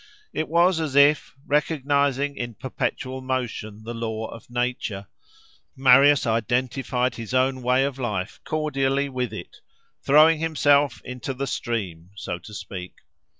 It was as if, recognising in perpetual motion the law of nature, Marius identified his own way of life cordially with it, "throwing himself into the stream," so to speak.